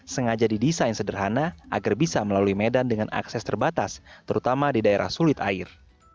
sengaja didesain sederhana agar bisa melalui medan dengan akses terbatas terutama di daerah sulit air